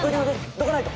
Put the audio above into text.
どかないと。